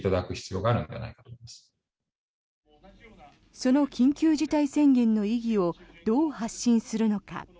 その緊急事態宣言の意義をどう発信するのか。